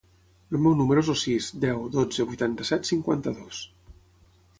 El meu número es el sis, deu, dotze, vuitanta-set, cinquanta-dos.